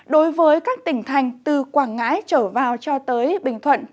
đối với các tỉnh thành từ quảng ngãi trở vào cho tới bình thuận